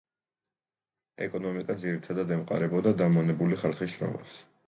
ეკონომიკა ძირითადად ემყარებოდა დამონებული ხალხის შრომას.